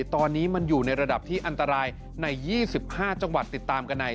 ตอนนี้มันอยู่ในระดับที่อันตรายใน๒๕จังหวัดติดตามกันใน